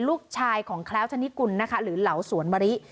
ลูกชายของแคล้วธนิกุลนะคะหรือเหลาสวนมะริ